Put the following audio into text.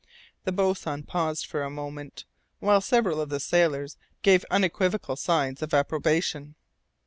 The boatswain paused for a moment, while several of the sailors gave unequivocal signs of approbation.